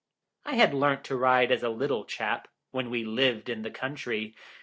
I had learnt to ride as a little chap, when we lived in the country.